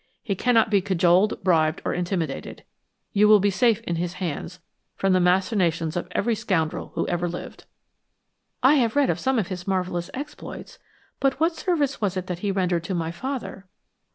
He cannot be cajoled, bribed or intimidated; you will be safe in his hands from the machinations of every scoundrel who ever lived." "I have read of some of his marvelous exploits, but; what service was it that he rendered to my father?"